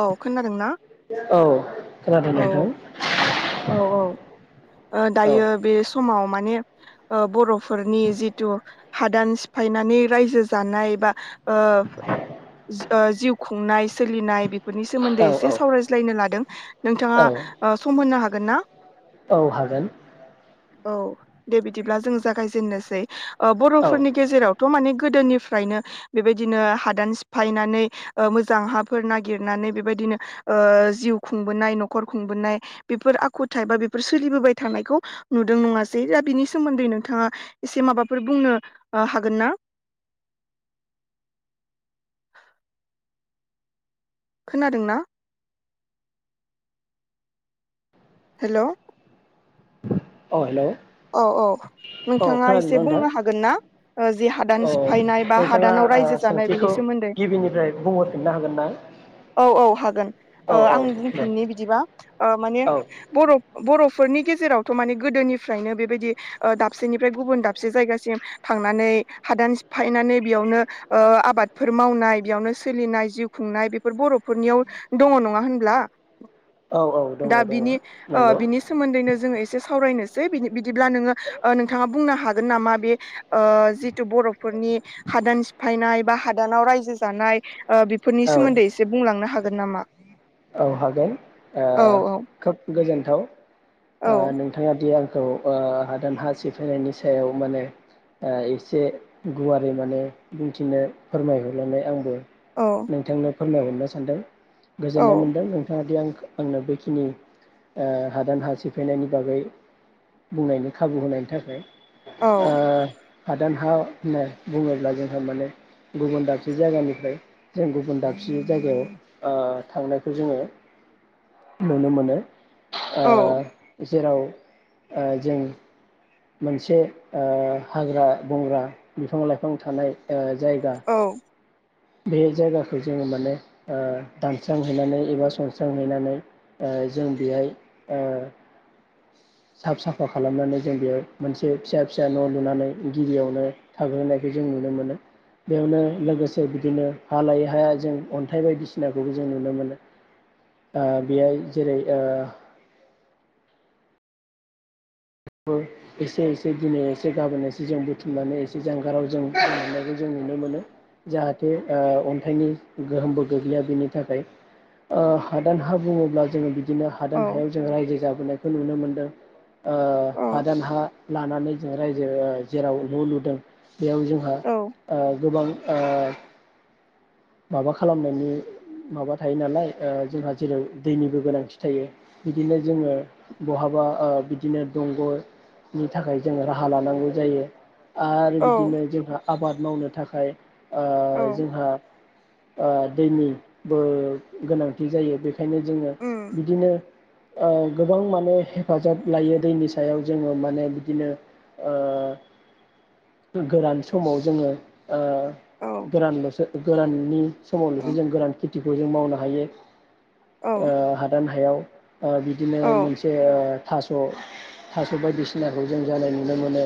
औ खोनादोंना औ औ खोनादोंना नोंथां? औ औ ओ औ दायो बे समाव माने ओ बर'फोरनि जिथु हादान सिफायनानै रायजो जानाय बा ओह ओ जिउ खुंनाय सोलिनाय बेफोरनि सोमोन्दै औ औ एसे सावरायज्लायनो ला दों नोंथाङा औ ओ सम होनो हा गोनना? औ हागोन। औ दे बिदिब्ला जों जागायजेननोसै। ओ औ बर'फोरनि गेजेरावथ' माने गोदोनिफ्रायनो बेबायदिनो हादान सिफायनानै ओ मोजां हाफोर नागिरनानै बेबायदिनो ओ जिउ खुंबोनाय नखर खुंबोनाय बेफोर आखुथाइ बा बेफोर सोलिबोबाय थानायखौ नुदों नङासै दा बिनि सोमोन्दै नोंथाङा एसे माबाफोर बुंनो ओ हागोन ना? खोनादोंना? हेलौ। अ हेलौ। औ औ औ नोंथाङा खोनादोंना एसे नोंथां बुंनो हागोन ना ओ जे हादान औ सिफायनाय बा नोंथाङा हादानाव ओ रायजो जानाय बेनि सोंथिखौ सोमोन्दै? गिबिनिफ्राय बुंहरफिननो हागोन ना औ औ हागोन ओ औ औ आं दे बुंफिननि बिदिबा ओ माने औ बर' बर' फोरनि गेजेरावथ' माने गोदोनि फ्रायनो बेबायदि ओ दाबसेनिफ्राय गुबुन दाबसे जायगासिम थांनानै हादान सिफायनानै बेयावनो ओ आबादफोर मावनाय बेयावनो सोलिनाय जिउ खुंनाय बेफोर बर'फोरनियाव दङ नङा होनब्ला? औ औ दङ दा दङ बिनि ओ नंगौ बिनि सोमोन्दैनो जोङो एसे सावरायनो सै बिनि-बिदिब्ला नोङो ओ नोंथाङा बुंनो हागोन नामा बे ओ जिथु बर' फोरनि हादान सिफायनाय बा हादानाव रायजो जानाय। ओ बेफोरनि औ सोमोन्दै एसे बुंलांनो हागोन। गोन नामा? औ हागोन ओ औ खोब गोजोन। थाव। औ ओ नोंथाङा दि आं खौ ओ हादान हा सिफायनायनि सायाव माने ओ एसे गुवारै माने बुंथिनो फोरमायहरनानै आंबो औ नोंथांनो फोरमायहरनो सानदों। औ गोजोन्नाय मोनदों नोंथाङा दि आं आंनो बेखिनि ओ हादान हा सिफायनायनि बागै बुंनायनि खाबु होनायनि थाखाय। औ ओ हा दान हा होनना बुङोब्ला जोंहा माने गुबुन दाबसे जायगानिफ्राय जों गुबुन दाबसे जायगायाव ओ थांनायखौ जोङो नुनो मोनो। औ ओ जेराव ओ जों मोनसे ओ हाग्रा बंग्रा बिफां लाइफां थानाय ओ जायगा। औ बे जायगाखौ जोङो माने ओ दानस्रांहैनानै एबा सनस्रांहैनानै ओ जों बेहाय ओ साफ साफा खालामनानै जों बेयाव मोनसे फिसा फिसा न' लुनानै गिबियावनो थाग्रोनायखौ जों नुनो मोनो बेयावनो लोगोसे बिदिनो हा लायै हाया जों अन्थाइ बायदिसिनाखौबो जों नुनो मोनो ओ बेहाय जेरै ओ [unintelligible] एसे एसे दिनै एसे गाबोन एसे जों बुथुमनानै एसे जानगाराव जोंनायखौ जों नुनो मोनो जाहाथे ओ अन्थाइनि गोहोमबो गोग्लैया बेनि थाखाय ओ हादान हा बुङोब्ला जोङो बि दिनो औ हादान हायाव जों रायजो जाबोनायखौ नुनो मोनो। ओ हादान हा लानानै जों रायजो जेराव न' लुदों। बेयाव जोंहा ओ गोबां ओ । माबा खालामनायनि माबा थायो नालाय ओ जोंहा जेरै दैनिबो गोनांथि थायो बिदिनो जोङो बहाबा ओ बिदिनो। दंग'नि थाखाय जोङो राहा लानांगौ जायो। आरो औ बिदिनो जोंहा आबाद। मावनो थाखाय। ओ औ जोंहा। ओ दैनिबो गोनांथि जायो बे। ओंखायनो जोङो उम बिदिनो। ओ गोबां माने हेफाजाब लायो। दैनि सायाव जोङो माने बिदिनो ओ। गोरान समाव जोङो। ओ औ गोरानल'सो गोराननि समावनोसो जों गोरान खि। खेथिखौ जों मावनो हायो। औ ओ हादान। हायाव। ओ बिदिनो औ मोनसे ओ। थास'-थास' बायदिसिनाखौ जों जानाय नुनो मोनो।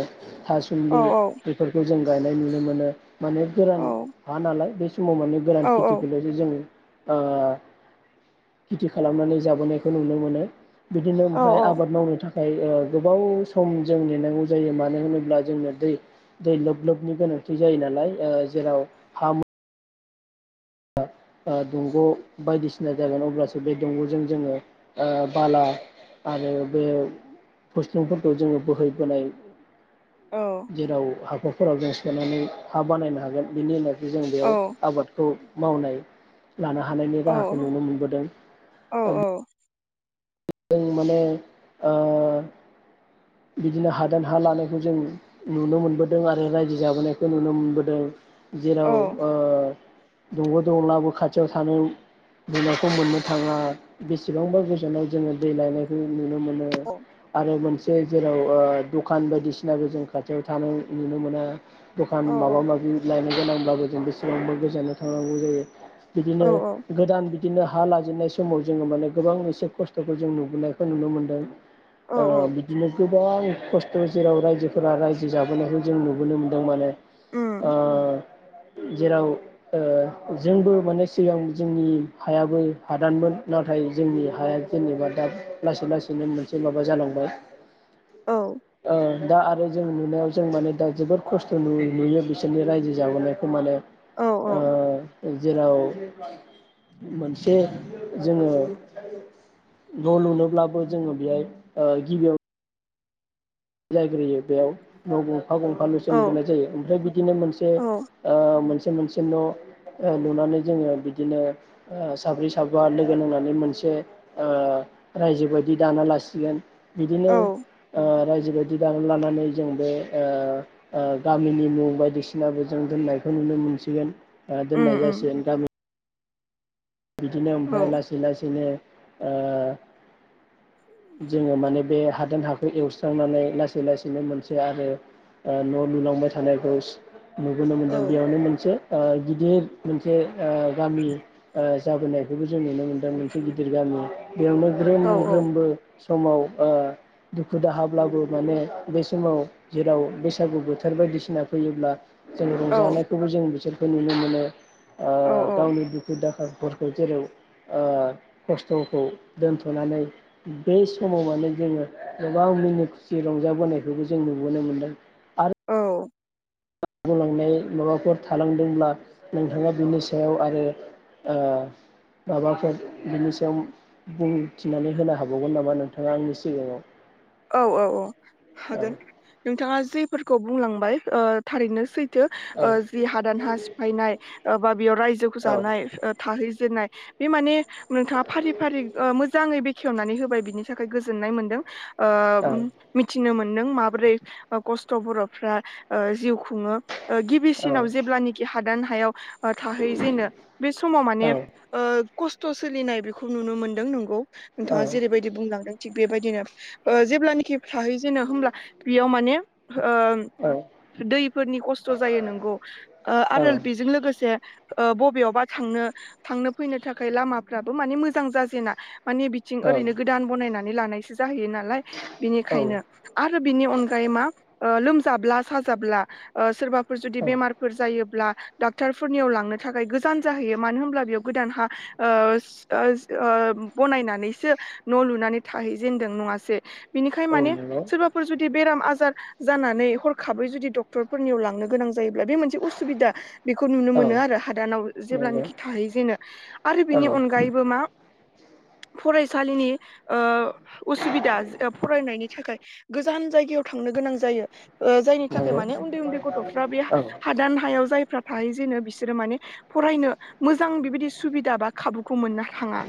थासुमलि। औ खौ जों गायनाय नुनो मोनो। माने गोरान औ हा नालाय बे। समाव माने गोरान औ खेथिखौलायसो जों। ओ खेथि खालामनानै जाबोनायखौ नुनो मोनो। बिदिनो ओमफ्राय उम आबाद मावनो थाखाय। फ्राय गोबाव सम जों नेनांगौ जायो मानो होनोब्ला जोंनो दै। दै लोब-लोबनि गोनांथि जायो नालाय जेराव हा म। ओ दंग' बायदिसिना जागोन अब्लासो बे दंग'जों जोङो ओ बाला आरो बे फुसलुंफोरखौ जोङो बोहैबोनाय। जेराव हाखु। फोराव जों सोनानै हा बानायनो हागोन बिनि उनाव। जों बेयाव औ औ आबादखौ। मावनाय। लानो हानायनि राहाखौ नुनो औ मोनबोदों। औ जों माने ओ। बिदिनो हादान हा लानायखौ जों नुनो मोनबोदों आरो रायजो जाबोनायखौ नुनो मोनबोदों। जेराव ओ। दंग' दंलाबो खाथियाव थानो मोननायखौ मोननो थाङा बेसेबांबा गोजानाव जोङो दै लायनायखौ नुनो नो मोनो आरो मोन जाय‌ जेराव ओ दखान बायदिसिनाबो जों खाथियाव थानाय नुनो मोना। दखान माबा औ माबि लायनाय गोनांब्लाबो जों बेसेबांबो गोजानाव थांनांगौ जायो। बिदिनो गोदान बि बिदिनो हा लाजेननाय समाव जोङो माने गोबां एसे खस्थ'खौ जों नुबोनायखौ नुनो मोनदों। ओ बि गोबां खस्थ' जेराव रायजोफोरा रायजो जाबोनायखौ जों नुबोनो मोन्दों माने। ओ जेराव ओ जोंबो माने सिगां जोंनि हायाबो हादानमोन नाथाय जोंनि हाया जेनेबा दा लासै-लासैनो मोनसे माबा जालांबाय। औ। ओ दा आरो जों नुनायाव जों माने दा जोबोद खस्थ' नु-नुयो बिसोरनि रायजो जाबोनायखौ माने ओ जेराव मोनसे जोङो न' लुनोब्लाबो जोङो बेहाय ओ गिबियाव जायग्रोयो बेयाव न' गु फा गंफा लुसो लुबोनाय जायो ओमफ्राय बिदिनो मोनसे ओ मोन से मोनसे न' ओ लुनानै जोङो बिदिनो ओ साब्रै साबा लोगो नांनानै मोनसे ओ रायजो बायदि दाना लासिगोन। बिदिनो‌ ओ जिबायदि दानो लानानै जों बे ओ ओ गामिनि मुं बायदिसिनाबो जों दोननायखौ नुनो मोनसिगोन। ओ उम दोननाय उम जासिगोन गामि बिदिनो औ ओमफ्राय लासै लासैनो ओ जोङो माने बे हादान हाखौ एवस्रांनानै लासै लासैनो मोनसे आरो ओ न' लुलांबाय थानायखौ नुबोनो औ मोनदों बेयावनो मोनसे ओ गिदिर मोनसे ओ गामि ओ जाबोनायखौबो जों नुनो मोनदों मोनसे गिदिर गामि। बेयावनो ग्रोम ग्रोमबो समाव ओ दुखु दाहाब्लाबो माने बे समाव जेराव बैसागु बोथोर बायदिसिना फैयोब्ला जों औ रंजानायखौबो जों बिसोर खौ नुनो मोनो। ओ औ गावनि दुखु दा फोर फोरखौ जेराव ओ खस्थ'खौ दोनथ'नानै बे समाव माने जोङो गोबां मिनि खुसि रंजाबोनायखौबो जों नुबोनो मोनदों। आरो औ बुंलांनाय माबाफोर थालांदोंब्ला नोंथाङा बिनि सायाव आरो ओ माबाफोर बिनि सायाव बुंथिनानै होनो हाबावगोन नामा नोंथाङा आंनि सिगाङाव औ औ औ हागोन नोंथाङा जि फोरखौ बुंलांबाय ओ थारैनो सै थो औ ओ जि हादान हा सिफायनाय ओ बा बेयाव रायजोखौ औ जानाय ओ थाहैजेननाय बे माने नोंथाङा फारि फारि ओ मोजाङै बेखेवनानै होब बाय बिनि थाखाय गोजोननाय मोनदों। ओ औ मिथिनो मोन नों माबोरै गस्थ' बर'फ्रा ओ जिउ खुङो ओ औ गिबिसिनाव जेब्लानिखि हादान हायाव थाहैजेनो बे समाव माने ओ खस्थ' सोलिनाय बेखौ नुनो मोन्दों नंगौ औ नोंथाङा जेरैबायदि बुंलांदों थिग बेबायदिनो ओ जेब्लानाखि थाहैजेनो होमब्ला बेयाव माने ओ दैफोरनि खस्थ' जायो नोंगौ ओ आरो बेजों लोगोसे ओ बबेयावबा थांनो थांनो फैनो थाखाय लामाफ्राबो माने मोजां जाजेना माने बिथिं औ ओरैनो गोदान बनायना नानै लानायसो जाहैयो नाला लाय बिनिखायनो औ आरो बिनि अनगायै मा ओ लोमजाब्ला साजाब्ला ओ सोरबा फोर जुदि औ बेमारफोर जायोब्ला डाक्टरफोरनियाव लांनो थाखाय गोजान जाहैयो मानो होनब्ला बेयाव गोदान हा ओ सटार्स ओ बनायनानैसो न' लुनानै थाहैजेनदों नङासे? बिनिखाय औ माने नंगौ सोरबाफोर जुदि बेराम आजा जार जानानै हरखाबै जुदि डक्टरफोरनियाव लांनो गोनां जायो जायोब्ला बे मोनसे असुबिदा बेखौ नुनो औ मोनो आरो हादानाव नंगौ जेब्लानोखि थाहैजेनो आरो औ बिनि अनगायैबो मा फरायसालिनि ओ उसुबिदा ओ फरायनायनि थाखाय गोजान जायगायाव थांनो गोनां जायो ओ जोंनि थाखाय नंगौ माने उन्दै उन्दै गथ'फ्रा बे औ हादान हायाव जायफ्रा थाहैजेनो बिसोर माने फरायनो मोजां बिबायदि सुबिदा बा खाबुखौ मोननो थाङा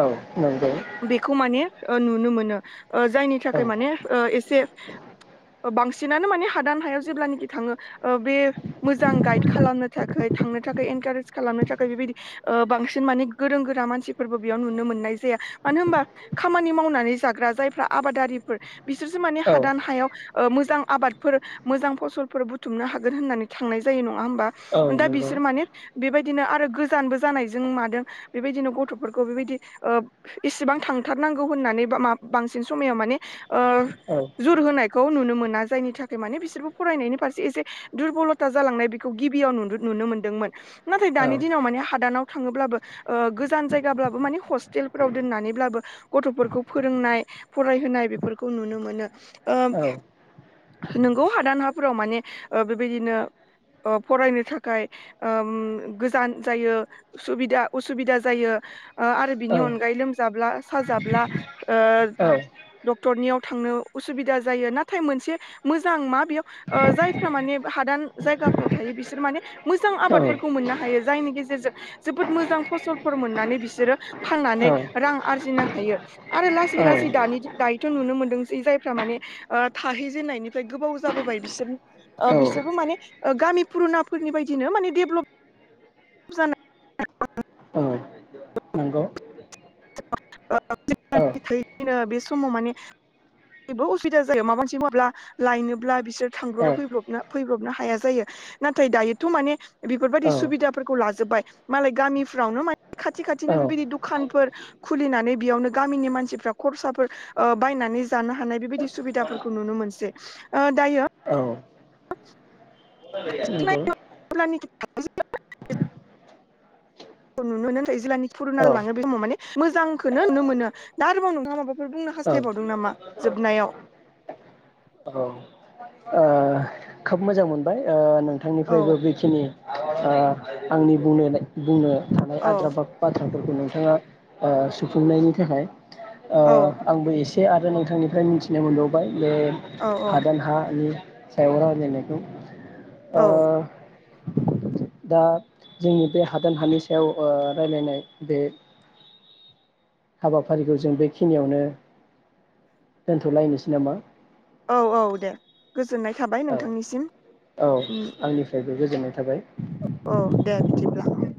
औ नंगौ बेखौ माने ओ नुनो मोनो। ओ जायनि औ थाखाय माने ओ एसे बांसिनानो माने हादान हायाव जेब्लानाखि थाङो ओ बे मोजां गाइद खालामनो थाखाय थांनो थाखाय इनकारेज खालामनो थाखाय बेबायदि ओ बांसिन माने गोरों गोरा मानसिफोबो बेयाव नुनो मोननाय जाया मानो होमबा खामानि मावनानै जाग्रा जायफ्रा आबादारिफोर बिसोरसो माने औ हादान हायाव ओ मोजां आबादफोर, मोजां फसलफोर बुथुमनो हागोन होननानै थांनाय जायो नङा होमबा। औ दा नंगौ बिसोर माने बेबायदिनो आरो गोजानबो जानायजों मादों बेबायदिनो गथ'फोरखौ बेबायदि ओ इसेबां थांथारनांगौ होननानै बा मा बांसिन समायाव माने ओ औ जुर होनायखौ नुनो मोना जायनि थाखाय माने बिसोरबो फरायनायनि फारसे एसे दुरबलथा जालांनाय बेखौ गिबियाव नु नुनो मोनदोंमोन नाथाय औ दानि दिनाव माने हादानाव थाङोब्लाबो ओ गोजान जायगाब्लाबो माने हस्टेल फोराव दोननानैब्लाबो गथफोरखौ फोरोंनाय फरायहोनाय बेफोरखौ नुनो मोनो ओ औ नोंगौ हादान हाफोराव माने ओ बेबायदिनो फरायनो थाखाय ओ गोजान जायो सुबिदा उसुबिदा जायो आरो बिनि अन लोमजाब्ला साजाब्ला ओ डक्टरनियाव थांनो उसुबिदा जायो नाथाय मोनसे मोजां मा बेयो ओ जायफोरा माने हादान जायगाफोराव थायो बिसोर माने मोजां आबादफोरखौ मोननो हायो जायनि गेजेरजों जोबोद मोजां फसलफोर मोननानै बिसोरो फाननानै रां आरजिनो हायो आरो लासै औ लासै दानि दि दायोथ नुनो मोनदोंसै जायफ्रा माने ओ थाहैजेननायनिफ्राय गोबाव जाबोबाय बिसोर ओ औ औ बिसोरबो माने ओ गामि पुरुनाफोरनि बायदिनो माने डेभलप जानाय औ नंगौ औ [unintelligible] [unintelligible] बे समाव माने [unintelligible] उसुबिदा जायो माबा मोनसे मावब्ला लायनोब्ला बिसोर थांब्रबनो फैब्रबनो फैब्रबनो हाया जायो नाथाय दायोथ माने बेफोरबायदि सुबिदाफोरखौ लाजोबबाय मालाय गामिफ्रावनो माने खाथि खाथिनो बेबायदि दु खानफोर खुलिनानै बेयावनो गामिनि मानसिफ्रा खरसाफोर ओ बायनानै जानो हानाय बेबायदि सुबिदाफोरखौ नुनो मोनसै ओ दायो [inaudible] नंगौ [unintelligible] [unintelligible] नुनो मोनो नाथाय जिलानि फुरुना लाङो बे औ समाव माने मोजांखोनो नुनो मोनो दा आरोबाव नोंथाङा माबाफोर बुंनो औ हास्थायबावदों नामा जोबनायाव औ ओ खोब मोजां मोनबाय ओ नों औ थांनिफ्रायबो बेखिनि ओ आंनि बुंनो बुंनो थानाय औ आद्रा बाथ-बाथ्रा फोरखौ नोंथाङा ओ सुफुंनायनि थाखाय ओ औ आंबो एसे [unintelligible] आरो नोंथांनिफ्राय मिथिनो मोनबावबाय। ओ औ औ हादान हानि [unintelligible] बुजायनायखौ ओ औ दा जोंनि बे हादान हानि सायाव ओ रायलायनाय बे हाबाफारिखौ जों बेखिनियावनो दोनथ' लायनोसै नामा? औ औ दे गोजो जोननाय थाबाय औ नोंथांनिसिम औ उम आंनिफ्रायबो गोजोननाय थाबाय। औ दे बिदिब्ला उम